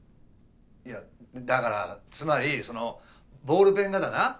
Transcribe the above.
いやだからつまりそのボールペンがだな。